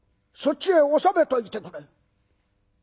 そっちへ収めといてくれ」。